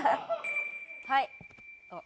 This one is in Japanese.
はい。